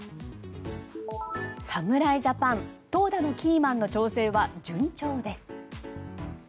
侍ジャパン投打のキーマンの調整は順調です。